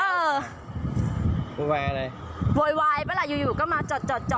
โวยวายอะไรโวยวายปะล่ะอยู่อยู่ก็มาจอดจอดจอด